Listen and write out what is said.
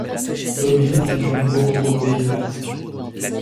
Tobeen séjourne beaucoup au Pays basque.